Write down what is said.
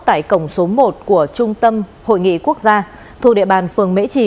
tại cổng số một của trung tâm hội nghị quốc gia thuộc địa bàn phường mễ trì